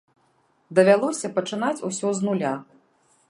Давялося пачынаць усё з нуля.